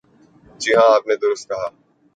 جی ہاں، آپ نے درست کہا۔